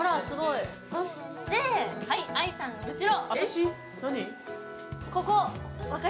そして、愛さんの後ろ。